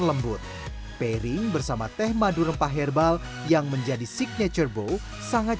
lembut pairing bersama teh madu rempah herbal yang menjadi signature bow sangat